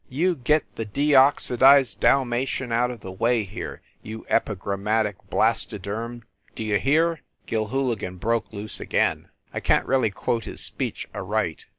"You get the deoxidized Dalmation way out of here, you epigrammatic blastoderm, d you hear?" Gilhooligan broke loose again. I can t really quote his speech aright.